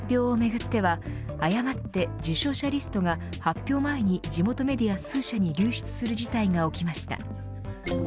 発表をめぐっては、誤って授賞者リストが発表前に地元メディア数社に流出する事態が起きました。